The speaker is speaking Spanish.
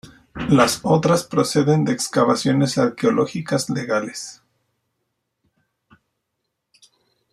Las otras proceden de excavaciones arqueológicas legales.